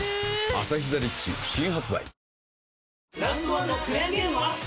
「アサヒザ・リッチ」新発売